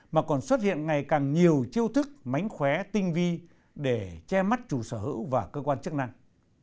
mà còn xuất hiện ngày càng nhiều chiêu thức mánh khóe tinh vi để che mắt chủ sở hữu và cơ quan chức năng